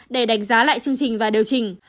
để đánh giá lại chương trình và điều chỉnh